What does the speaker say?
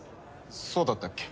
そうだったっけ？